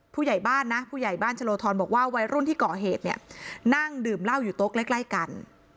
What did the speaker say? ผู้ใหญ่บ้านนะผู้ใหญ่บ้านชะโลทรบอกว่าวัยรุ่นที่ก่อเหตุเนี่ยนั่งดื่มเหล้าอยู่โต๊ะใกล้กัน